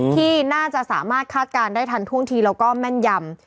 ที่น่าจะสามารถคาดการณ์ได้ทันท่วงทีแล้วก็แม่นยำ